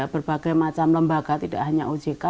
berbagai macam lembaga tidak hanya ojk